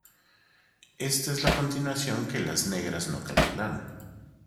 Esta es la continuación que las negras no calcularon.